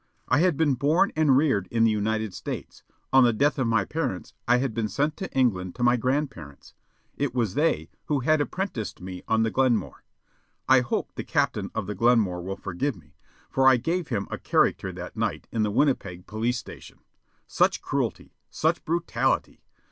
I had been born and reared in the United States. On the death of my parents, I had been sent to England to my grandparents. It was they who had apprenticed me on the Glenmore. I hope the captain of the Glenmore will forgive me, for I gave him a character that night in the Winnipeg police station. Such cruelty! Such brutality!